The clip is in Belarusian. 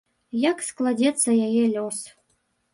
Як складзецца яе лёс.